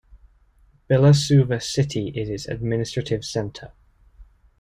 Bilasuvar city is its administrative center.